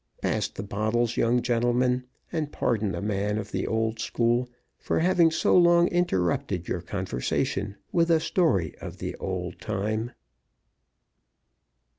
Pass the bottles, young gentlemen, and pardon a man of the old school for having so long interrupted your conversation with a story of the old time.